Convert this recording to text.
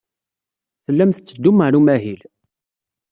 Tellam tetteddum ɣer umahil.